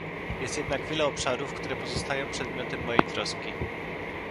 Jest jednak wiele obszarów, które pozostają przedmiotem mojej troski